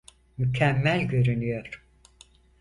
Mükemmel görünüyor.